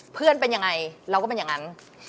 เพื่อนเป็นยังไงเราก็เป็นอย่างนั้น